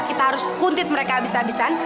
kita harus kuntit mereka habis habisan